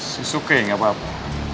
susuke gak apa apa